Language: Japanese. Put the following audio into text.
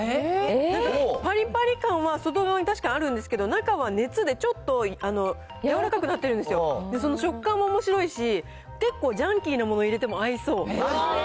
なんかぱりぱり感は外側に確かにあるんですけど、中は熱でちょっと軟らかくなってるんですよ、その食感もおもしろいし、結構ジャンキーなものを入れても合いそう。